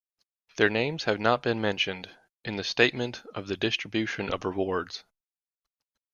Their names have not been mentioned, in the statement of the distribution of rewards.